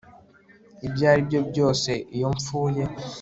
Ibyo ari byo byose iyo mpfuye